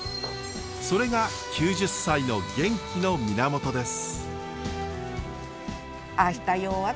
それが９０歳の元気の源です。